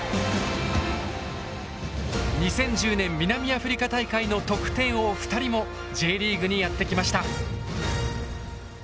２０１０年南アフリカ大会の得点王２人もＪリーグにやって来ました。